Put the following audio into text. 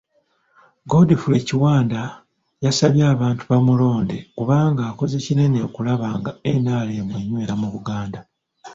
Godfrey Kiwanda yasabye abantu bamulonde kubanga akoze kinene okulaba nga NRM enywera mu Buganda.